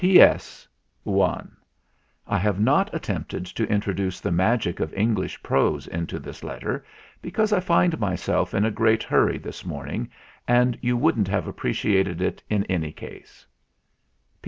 "P. S. ( i ). I have not attempted to intro duce the magic of English prose into this letter, because I find myself in a great hurry this morning, and you wouldn't have appreciated it in any case.